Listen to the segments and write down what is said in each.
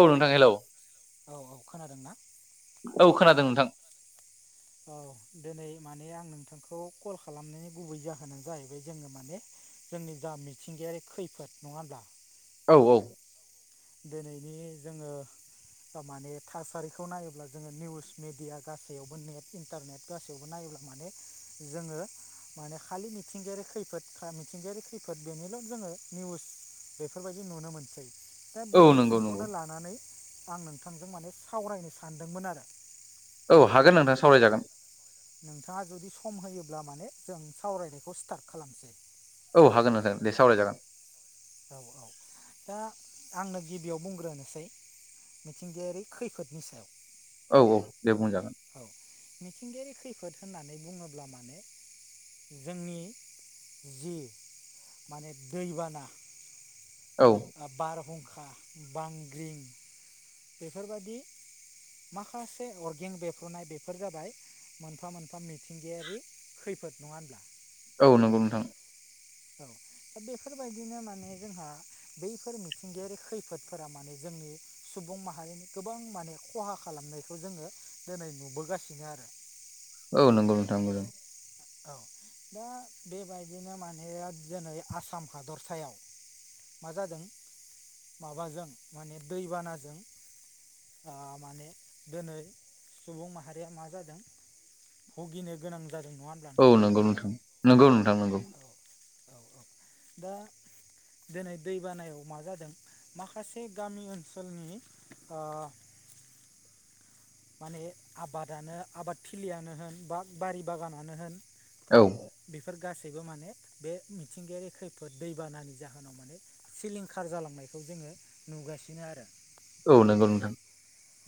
औ नोंथां हेलौ औ औ खोनादों ना? औ खोनादों नोंथां औ दिनै माने आं नोंथांखौ कल खालामनायनि गुबै जाहोनानो जाहैबाय जोङो माने जोंनि जा मिथिंगायारि खैफोद नङा होमब्ला औ औ दिनैनि जोङो माने थासारिखौ नायोब्ला जोङो निउस मिडिया गासैयावबो नेट इन्टारनेट गासैयावबो नायोब्ला माने जोङो माने खालि मिथिंगायारि खैफोद मिथिंगायारि खैफोद बेनिल' जोङो निउस बेफोरबायदि नुनो मोनसै दा औ बे नंगौ नंगौ बिथिंखौनो लानानै आं नोंथांजों माने सावरायनो सानदोंमोन आरो। औ हागोन नोंथाङा सावरायजागोन नोंथाङा जुदि सम होयोब्ला माने जों सावरायनायखौ स्टार्ट खालामसै औ हागोन होगोन दे सावरायजागोन। औ औ दा आंनो गिबियाव बुंग्रोनोसै मिथिंगायारि खैफोदनि सायाव। औ औ दे बुंजागोन औ मिथिंगायारि खैफोद होननानै बुङोब्ला माने जोंनि जि माने दैबाना। औ। आ बारहुंखा बांग्रिं। बेफोरबादि माखासे अर्गें बेफ्रुनाय बेफोर जाबाय मोनफा मोनफा मिथिंगायारि खैफोद नङा होनब्ला। औ नंगौ नोंथां। औ। बेफोरबायदिनो माने जोंहा बैफोर मिथिंगायारि खैफोदफोरा माने जोंनि सुबुं माहारिनि गोबां माने खहा खालामनायखौ जोङो दिनै नुबोगासिनो आरो। औ नंगौ नोंथां नुदों। औ दा बेबायदिनो माने दोनै आसाम हादरसायाव मा जादों माबाजों माने दैबानाजों ओ माने दिनै सुबुं माहारिया मा जादों। भुगिनो गोनां जादों नङा होमब्ला। औ नंगौ नोंथां नंगौ नोंथां नोंगौ। औ दा। दोनै दैबानायाव मा जादों माखासे गामि ओनसोलनि ओ माने आबादानो आबाद थिलियानो होन बा बारि बागानानो होन औ। बेफोर गासैबो माने बे मिथिंगायारि खैफोद दैबानानि जाहोनाव माने। सिलिंखार जालांनायखौ जोङो नुगासिनो आरो। औ नोंगौ नोंथां।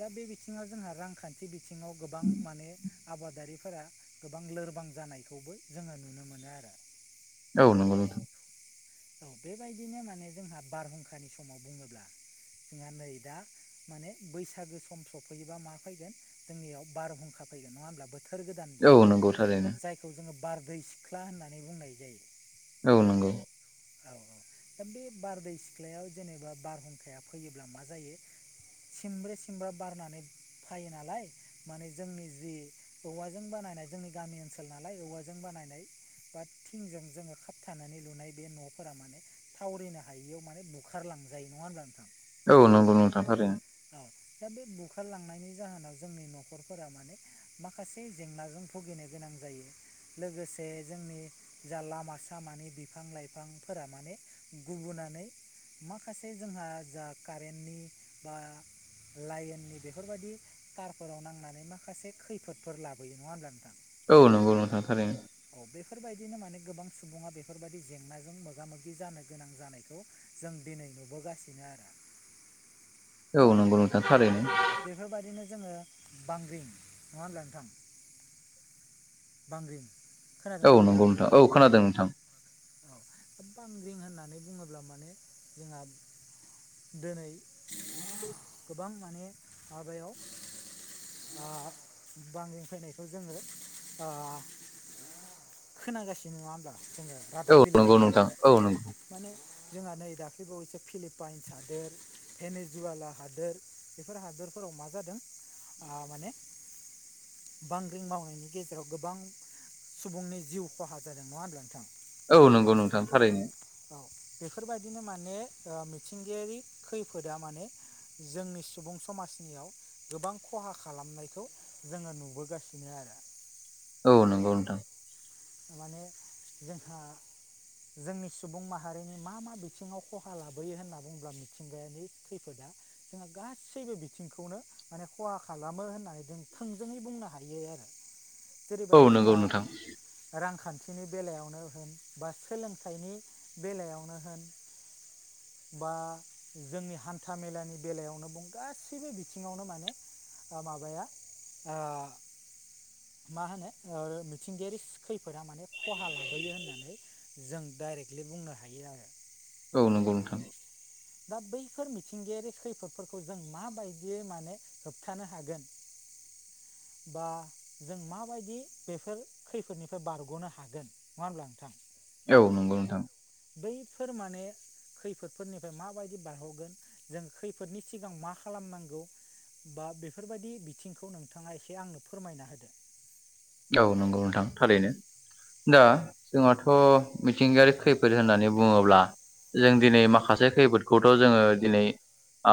दा बे बिथिङाव जोंहा रांखान्थि बिथिङाव गोबां माने आबादारिफोरा गोबां लोरबां जानायखौबो जोङो नुनो मोनो आरो। औ नंगौ नोंथां। औ बेबायदिनो माने जोंहा बारहुंखानि समाव बुङोब्ला जोंहा नै दा। माने बैसागो सम सफैयोबा मा फैगोन जोंनियाव बारहुंखा फैगोन नङा होनोमब्ला बै बोथोर गोदान दि औ नंगौ थारैनो जायखौ जोङो बारदै सिख्ला होननानै बुंनाय जायो। औ नोंगौ। औ औ दा बे बारदै सिख्लायाव जेनेबा बारहुंखाया फैयोब्ला मा जायो सिमब्रे सिमब्रा बारनानै फायो नालाय। माने जोंनि जि औवाजों बानायनाय जोंनि गामि ओनसोल नालाय औवाजों बानायनाय बा थिंजों जोङो खाबथानानै लुनाय बे न' फोरा माने थावरिनो हायियाव माने बुखारलांजायो नङा होमब्ला नोंथां। औ नंगौ नोंथां थारैनो। औ दा बे बुखारलांनायनि जाहोनाव जोंनि न'खरफोरा माने माखासे जेंनाजों भुगिनो गोनां जायो। लोगोसे जोंनि जा लामा-सामानि बिफां-लाइफां फोरा माने गुबुनानै माखासे जोंहा जा कारेन्टनि बा लाइननि बेफोरबायदि। थारफोराव नांनानै माखासे खैफोदफोर लाबोयो नङा होमब्ला नोंथां। औ नंगौ नोंथां थारैनो। औ बेफोरबायदिनो माने गोबां सुबुङा बेफोरबायदि जेंना। जों मोगा मोगि जानो गोनां जानायखौ जों दिनै नुबोगासिनो आरो। औ दा नंगौ नोंथां थारैनो बेफोरबायदिनो जोङो बांग्रि नङा होनब्ला नोंथां। बांग्रिं। औ खोनादोंना नोंथाङा नंगौ नोंथां औ खोनादों नोंथां। औ बांग्रिं होननानै बुङोब्ला माने जोंहा दोनै गोबां माने माबायाव आ बांंग्रिं फैनायखौ जोङो ओ खोनागासिनो नङा होमबा जोङो औ रादाब नंगौ बिलाइयाव नोंथां औ नंगौ माने जोंहा नै दाख्लैबावैसो फिलिपाइनस हादोर पेनेजुवाला हादोर बेफोर हादोरफोराव मा जादों ओ माने बांग्रिं मावनायनि गेजेराव गोबां सुबुंनि जिउ खहा जादों नङा होमब्ला नोंथां। औ नंगौ नोंथां थारैनो। औ बेफोरबायदिनो माने ओ मिथिंगायारि खैफोदा माने जोंनि सुबुं समाजनियाव गोबां ख'हा खालामनायखौ जोङो नुबोगासिनो आरो औ नंगौ नोंथां। माने जोंहा जोंनि सु सुबुं माहारिनि मा मा बिथिङाव खहा लाबोयो होनना बुंब्ला मिथिंगायानि खैफोदा जोंहा गासैबो बिथिंखौनो माने ख'हा खालामो होननानै जों थोंजोङै बुंनो हायो आरो। औ जेरैबायदि नंगौ जोंहा नोंथां रां खान्थिनि बेलायावनो होन बा सोलोंथाइनि बेलायावनो होन बा जोंनि हान्था मेलानि बेलायावनो बुं गासैबो बिथिङावनो माने ओ माबाया ओ मा होनो ओ मिथिंगायारिस खैफोदा माने ख'हा लाबोयो होननानै जों डाइरेक्टलि बुंनो हायो आरो। औ नंगौ नोंथां। दा बैफोर मिथिंगायारि खैफोदफोरखौ जों माबायदियै माने होबथानो हागोन बा जों माबायदि बेफोर खैफोदनिफ्राय बारग'नो हागोन नङा होमब्ला नोंथां औ नंगौ नोंथां बैफोर माने खैफोदफोरनिफ्राय माबायदि बारहगोन जों खैफोदनि सिगां मा खालामनांगौ बा बेफोरबायदि बिथिंखौ नोंथाङा एसे आंनो फोरमायना होदो। औ नंगौ नोंथां थारैनो। दा जोंहाथ' मिथिंगायारि खैफोद होननानै बुङोब्ला जों दिनै माखासे खैफोदखौथ' जोङो दिनै ओ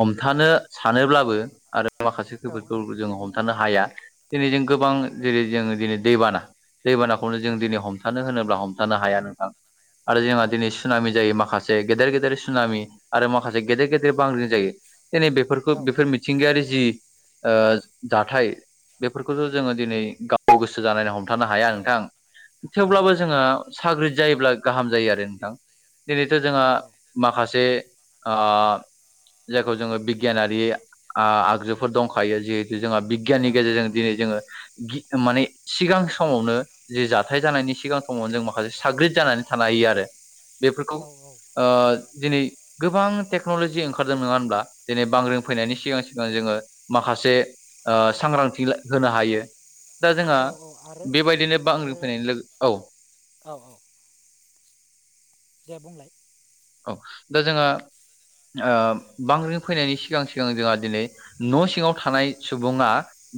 हमथानो सानोब्लाबो आरो माखासे औ खैफोदखौ औ जोङो हमथानो हाया दिनै जों गोबां औ जेरै- जों दिनै दैबाना दैबानाखौनो औ जों दिनै हमथानो होनोब्ला हमथानो हाया नोंथां। आरो औ जोंहा दिनै सुनामि जायो माखा से गेदेर गेदेर सुनामि आरो माखासे गेदेर गेदेर बांग्रिं जायो दिनै बेफोरखौ औ बेफोर मि थिंगायारि जि ओ जाथाय बेफोरखौसो जोङो दिनै गाव गोसो जानानै हमथानो हाया नोंथां औ थेवब्लाबो जोङो साग्रिद जायोब्ला गाहाम जायो आरो नोंथां दिनैथ' जोंहा माखासे ओ जायखौ जोङो बिगियानारि ओ आगजुफोर दंखायो जिहेथु जोंहा बि गियाननि गेजेरजों दिनै जोङो गि माने सिगां समावनो जि जाथाय जानायनि सिगां समाव जों माखासे साग्रिद जानानै थानो हायो आरो बेफोरखौ औ ओ दिनै गोबां टेक्न'लजि ओंखारदों नङा होनब्ला दिनै बांग्रिं फैनायनि सिगां सिगां जोङो माखासे ओ सांग्रांथि होनो हायो। दा जोंहा औ औ आरो बेबायदिनो बांग्रिं आरो फैनाय लोगो औ औ औ। दे बुंलाय औ दा जोंहा ओ बांग्रिं फैनायनि सिगां सिगां जोंहा दिनै न' सिङाव थानाय सुबुङा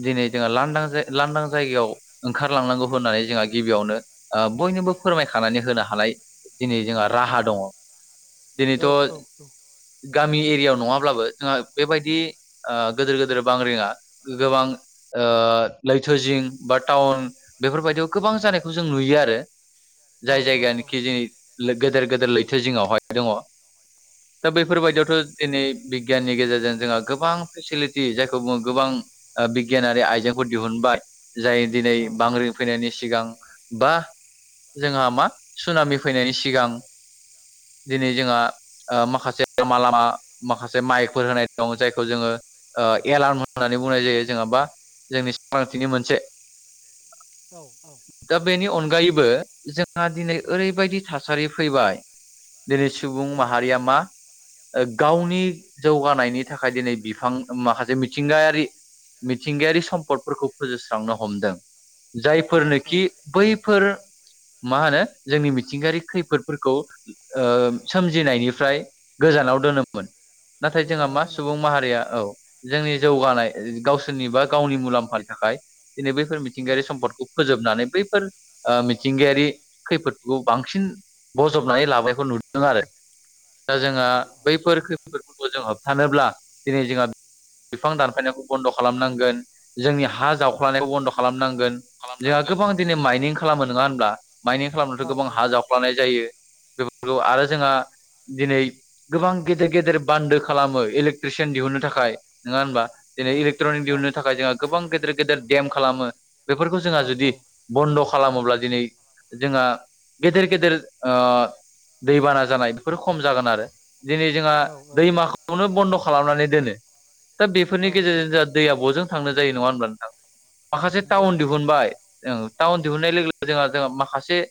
दिनै जोंहा लांदां जा लांदां जायगायाव ओंखारलांनांगौ होननानै जोंहा गिबियावनो बयनोबो फोरमायखानानै होनो हानाय दिनै जोंहा राहा दङ। दिनैथ' औ औ गामि एरियायाव नङाब्लाबो जोंहा बेबायदि ओ गोदेर- गोेदेर बांग्रिंया गोबां ओ लैथोजिं बा टाउन बेफोरबायदियाव गोबां जानायखौ जों नुयो आरो। जाय जायगायानोखि जोंनि गेदेर- गेदेर लैथो जिङावहाय दङ। दा बेफोरबायदियावथ' दिनै बिगियाननि गेजेरजों जोंहा गोबां फेसिलिटि जायखौ बुङो गोबां बिगियानारि आइजेंफोर दिहुनबाय जाय दिनै बांग्रिं फैनायनि सिगां बा जोंहा मा सुनामि फैनायनि सिगां दिनै जोंहा ओ माखासे लामा -लामा माखासे माइकफोर होनाय दं जायखौ जोङो ओ एलार्म होननानै बुंनाय जायो। जोङा बा जोंनि सांग्रांथिनि मोनसे औ औ। दा बेनि अनगायैबो जोंहा दिनै ओरैबायदि थासारि फैबाय दिनै सुबुं माहारिया मा गावनि जौगानायनि थाखाय दिनै बिफां माखासे मिथिंगायारि मिथिंगायारि सम्पदफोरखौ फोजोबस्रांनो हमदों। औ औ जायफोरनोखि बैफोर मा होनो जोंनि मिथिंगायारि खैफोदफोरखौ सोमजिनायनिफ्राय गोजानाव दोनोम नाथाय जोंहा गोजानाव मा दोनो औ सुबुं माहारिया औ। जोंनि जौगानाय गावसोरनि बा गावनि मुलाम्फानि थाखाय दिनै बैफोर औ मिथिंगायारि सम्पदखौ फोजोबनानै बैफोर ओ मिथिंगायारि खैफोदखौ बांसिन नानै लानायखौ नुदों आरो दा औ औ जोंहा औ बैफोर खफोरखौ जों होबथानोब्ला दिनै जोंहा बिफां दानफायनायखौ बन्द' खालामनांगोन जोंनि हा जावख्लनायखौ बन्द' खालामनां गोन जोंहा खालामनांगोन गोबां दिनै माइनिं खालामो नङा होनब्ला माइनिं औ खालामनोथ' गोबां हा जावफ्लानाय जायो। बेफोरखौ आरो जोंहा दिनै गोबां गेदेर गेदेर बान्दो खालामो इलेक्ट्रिसियान दिहुनो थाखाय नङा होनबा दिनै औ इलेक्ट्रनिक दिहुननो थाखाय जोंहा गोबां गेदेर गेदेर देम खालामो बेफोरखौ जोंहा जुदि बन्द' खालामोब्ला दिनै जोंहा गेदेर- गेदेर ओ दैबाना जानाय बेफोरो खम जागोन आरो दिनै जोंहा औ दैमाखौ बेखौनो बन्द' खालामनानै दोनो दा बेफोरनि औ औ गेजेरजों औ जोंहा दैया बजों थांनो जायो नङा होनब्ला नोंथां माखासे नंगौ टाउन थारैनो दिहुनबाय थारैनो टाउन दिहुननाय लोगो लोगो जोंहा जों माखासे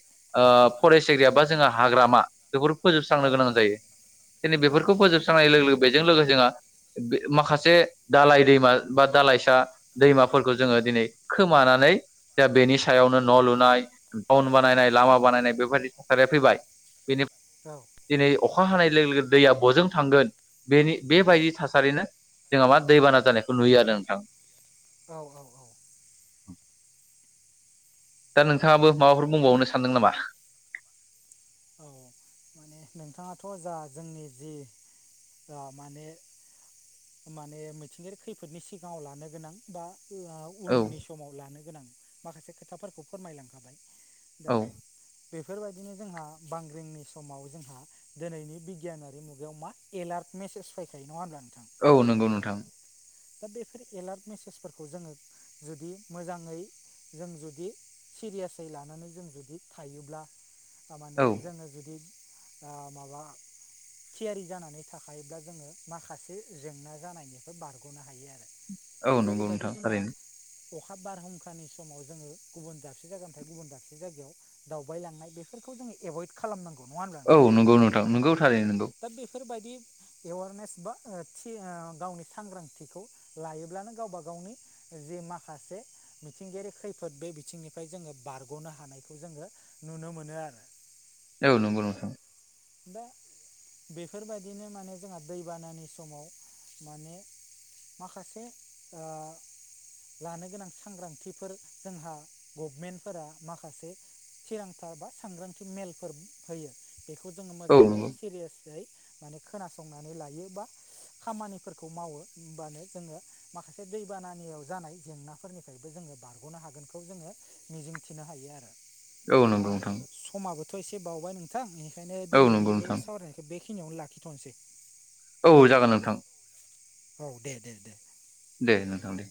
फरेस्ट एरिया बा जोंहा हाग्रामा बेफोर फोजोबस्रांनो औ गोनां औ जायो दिनै औ बेफोरखौ फोजोबस्रांनाय लोगो लोगो बेजों जोहा माखासे दालाइ दैमा बा दालाइसा दैमाफोरखौ जोङो दिनै खोमानानै दा बेनि सायावनो न' लुनाय, टाउन बानायनाय, लामा बानायनाय बेबायदि थासारिया फैबाय बेनि औ दिनै अखा हानाय लोगो लोगो दैया बजों थांगोन बेनि बेबायदि थासारिनो जोंहा मा दैबाना जानायखौ नुयो आरो नोंथां। औ औ औ दा नोंथाङाबो माबाफोर बुंबावनो सानदों नामा? औ माने नोंथाङाथ' जा जोंनि जि दंयो माने माने मिथिंगायारि खैफोदनि सिगाङाव लानो गोनां बा औ उननि समाव लानो गोनां माखासे खोथाफोरखौ फोरमायलांखाबाय दा औ बेफोरबायदिनो जोंहा बांग्रिंनि समाव जोंहा दिनैनि बिगियानारि मुगायाव मा एलार्ट मेसेज फैखायो नङा होमब्ला नोंथां? औ नंगौ नोंथां। दा बेफोर एलार्ट मेसेजफोरखौ जोङो जुदि मोजाङै जों जुदि सिरियासै लानानै जों जुदि थायोब्ला औ माने जोङो जुदि ओ माबा थियारि जानानै थाखायोब्ला जोङो माखासे जेंना जानायनिफ्राय बारग' गनो हायो आरो औ नंगौ जेरैबायदि नोंथां जोंहा थारैनो अखा बारहुंखानि समाव जोङो गुबुन दाबसे जायगानिफ्राय गुबुन दाबसे जायगायाव दावबायलांनाय बेफोरखौ जोङो एभइड खालामनांगौ नङा होनब्ला? औ नोंथां नंगौ नोंथां नोंगौ थारै नोंगौ। दा बेफोरबायदि एवारनेस बा थि ओ गावनि सांग्रां थिखौ लायोब्लानो गावबा गावनि जे माखासे मिथिंगायारि खैफोद बे बिथिंनिफ्राय जोङो बारग'नो हानायखौ जोङो नुनो मोनो आरो। औ नंगौ नोंथां। दा बेफोरबायदिनो माने जोंहा दैबानानि समाव माने माखासे ओ लानो गोनां सांग्रांथिफोर जोंहा गभमेन्टफोरा माखासे थिरांथा बा सांग्रांथि मेलफोर होयो बेखौ जोङो औ मोजाङै नंगौ सिरियासयै माने खोनासंनानै लायो बा खामानिफोरखौ मावो होनबानो जोङो माखासे दैबानानियाव जानाय जेंनाफोरनिफ्रायबो जोङो बारग'नो हागोनखौ जोङो मिजिंथिनो हायो आरो। औ दा नंगौ नोंथां समाबोथ' एसे बावबाय नोंथां बेनिखायनो औ नंगौ दिनैनि बे नोंथां सावराय बेखिनियावनो लाखिथ'नोसै। औ जागोन नोंथां। औ दे दे दे। दे नोंथां दे।